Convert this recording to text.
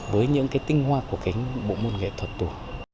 với những cái tinh hoa của cái bộ môn nghệ thuật tù